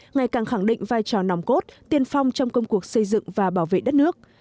ngày càng khẳng định vai trò nòng cốt tiên phong trong công cuộc xây dựng và bảo vệ đất nước